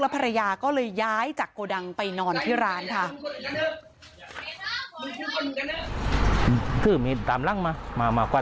ภรรยาก็เลยย้ายจากโกดังไปนอนที่ร้านค่ะ